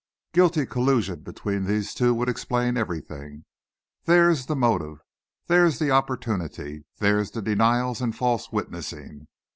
Guilty collusion between these two would explain everything. Theirs the motive, theirs the opportunity, theirs the denials and false witnessing.